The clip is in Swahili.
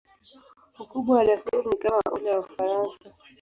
Ukubwa wa Darfur ni kama ule wa Ufaransa.